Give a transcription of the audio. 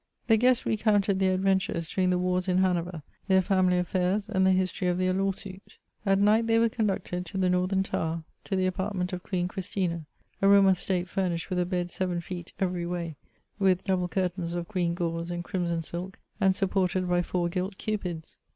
The guests recounted their adventures during the wars in Hanover, their family affairs, and the history of their law suit. At night they were conducted to the Northern tower, to the apartment of Queen Christina, a room of state furnished with a bed seven feet every way, with double curtains of green gauze and crimson silk, and supported by four gilt cupids.